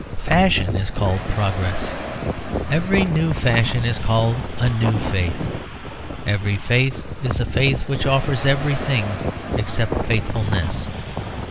Fashion is called progress. Every new fashion is called a new faith. Every faith is a faith which offers everything except faithfulness.